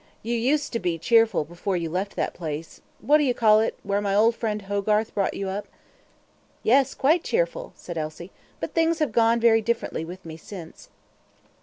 You used to be cheerful before you left that place what do you call it? where my old friend Hogarth brought you up." "Yes, quite cheerful," said Elsie; "but things have gone very differently with me since."